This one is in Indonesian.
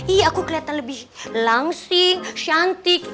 iya aku kelihatan lebih langsing cantik